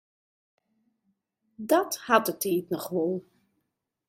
Dat hat de tiid noch wol.